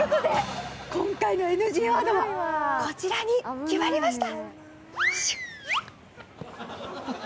今回のＮＧワードはこちらに決まりました。